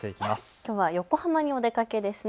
きょうは横浜にお出かけですね。